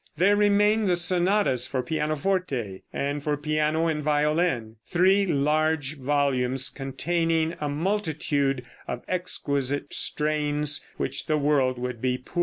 There remain the sonatas for pianoforte and for piano and violin, three large volumes, containing a multitude of exquisite strains, which the world would be poor indeed to lose.